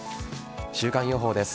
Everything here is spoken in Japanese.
週間予報です。